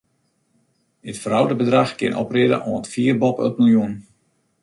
It fraudebedrach kin oprinne oant fier boppe it miljoen.